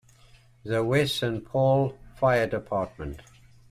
The West Saint Paul Fire Dept.